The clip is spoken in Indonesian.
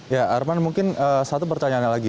ya arman mungkin satu pertanyaan lagi